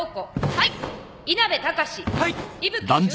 はい！